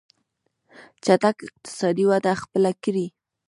چټکه اقتصادي وده خپله کړي.